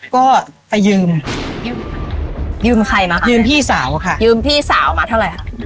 ก็ไปยืมยืมใครมายืมพี่สาวค่ะยืมพี่สาวมาเท่าไหร่ค่ะ